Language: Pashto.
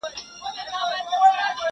د پردېس جانان کاغذه تر هر توري دي جارېږم!.